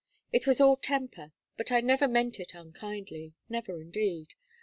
It was all temper; but I never meant it unkindly never indeed.